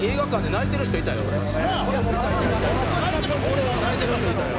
「これは泣いてる人いたよ」